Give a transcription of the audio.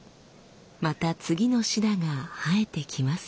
また次のシダが生えてきますように。